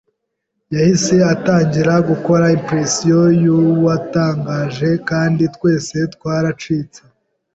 Yahise atangira gukora impression yuwatangaje kandi twese twaracitse.